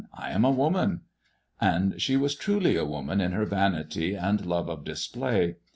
I am a woman." And she was truly a woman in her vanity and love of display.